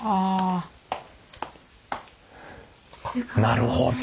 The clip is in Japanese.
なるほど。